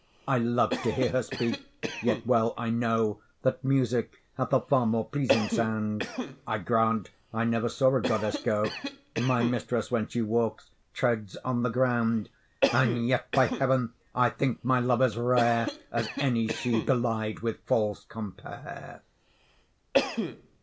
I love to hear her speak, yet well I know That music hath a far more pleasing sound: I grant I never saw a goddess go; My mistress, when she walks, treads on the ground: And yet by heaven, I think my love as rare, As any she belied with false compare.